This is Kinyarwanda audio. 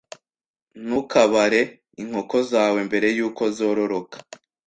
Ntukabare inkoko zawe mbere yuko zororoka.